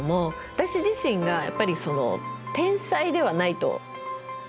私自身がやっぱり天才ではないと。